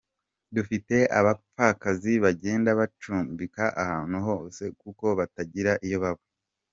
Dufite abapfakazi bagenda bacumbika ahantu hose kuko batagira iyo baba”.